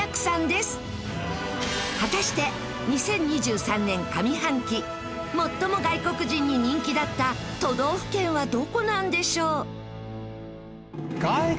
果たして２０２３年上半期最も外国人に人気だった都道府県はどこなんでしょう？